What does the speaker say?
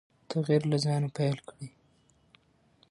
تغیر له ځانه پیل کړئ.